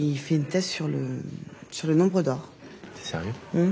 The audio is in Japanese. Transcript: うん。